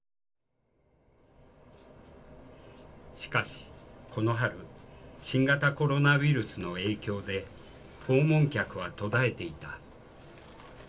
しかしこの春新型コロナウイルスの影響で訪問客は途絶えていた。